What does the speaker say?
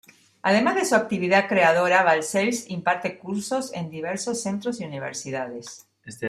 Además de su actividad creadora, Balcells imparte cursos en diversos centros y universidades.